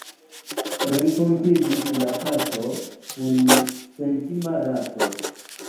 Renkontiĝis la kato kun sentima rato.